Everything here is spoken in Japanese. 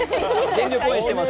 全力応援します。